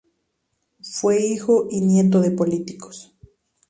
Fue hijo y nieto de políticos.